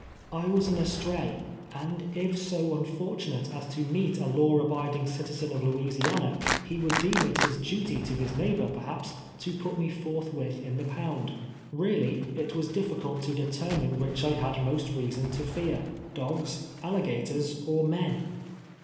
I was an estray, and if so unfortunate as to meet a law abiding citizen of Louisiana, he M'ould deem it his duty to his neighbor, perhaps, to put me forthwith in the pound. Keally, it was difficult to determine which I had most reason to fear — dogs, alligators or men